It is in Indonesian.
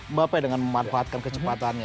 mbappe dengan memanfaatkan kecepatannya